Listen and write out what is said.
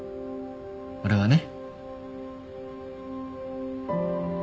俺はね。